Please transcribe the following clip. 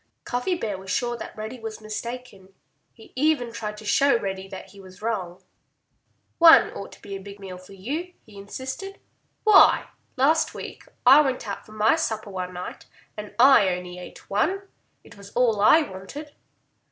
Cuffy Bear was sure that Reddy was mistaken. He even tried to show Reddy that he was wrong. "One ought to be a big meal for you," he insisted. "Why, last week I went out for my supper one night and I ate only one. And it was all I wanted."